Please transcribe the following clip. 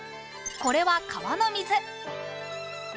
これは川の水